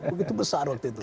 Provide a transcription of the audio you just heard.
begitu besar waktu itu